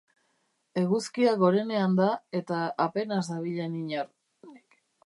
Eguzkia gorenean da eta apenas dabilen inor.